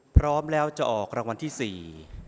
พร้อมแล้วจะออกรางวัลที่สี่